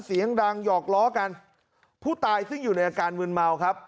เสียงดังหยอกล้อกันผู้ตายซึ่งอยู่ในอาการมืนเมาครับ